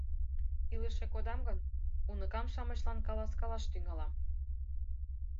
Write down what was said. Илыше кодам гын, уныкам-шамычлан каласкалаш тӱҥалам.